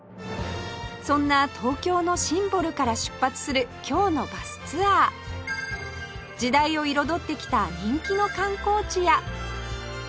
そんな東京のシンボルから出発する今日のバスツアー時代を彩ってきた人気の観光地や